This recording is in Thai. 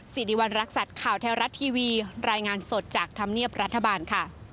สิริวัณรักษัตริย์ข่าวแท้รัฐทีวีรายงานสดจากธรรมเนียบรัฐบาลค่ะ